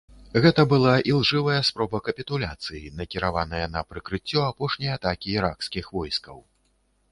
Гэта была ілжывая спроба капітуляцыі, накіраваная на прыкрыццё апошняй атакі іракскіх войскаў.